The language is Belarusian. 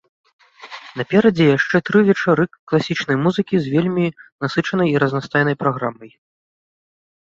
Наперадзе яшчэ тры вечары класічнай музыкі з вельмі насычанай і разнастайнай праграмай.